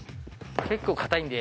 結構かたいんで。